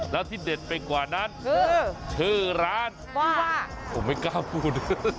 แล้วที่เด็ดไปกว่านั้นคือชื่อร้านว่าผมไม่กล้าพูด